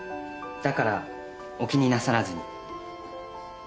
だからお気になさらずに。